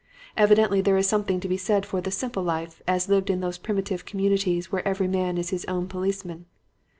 Evidently there is something to be said for the 'simple life,' as lived in those primitive communities where every man is his own policeman.